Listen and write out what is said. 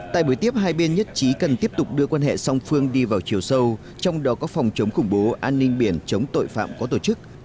tại buổi tiếp hai bên nhất trí cần tiếp tục đưa quan hệ song phương đi vào chiều sâu trong đó có phòng chống khủng bố an ninh biển chống tội phạm có tổ chức